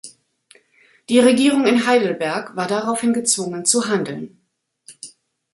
Die Regierung in Heidelberg war daraufhin gezwungen zu handeln.